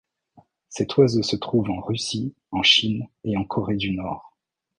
Cet oiseau se trouve en Russie, en Chine et en Corée du Nord.